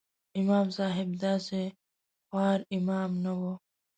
امام صاحب داسې خوار امام نه و.